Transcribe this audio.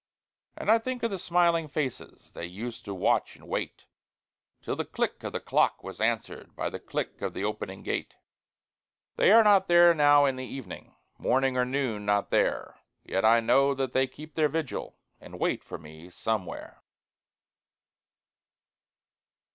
And I think of the smiling faces That used to watch and wait, Till the click of the clock was answered By the click of the opening gate. They are not there now in the evening Morning or noon not there; Yet I know that they keep their vigil, And wait for me Somewhere.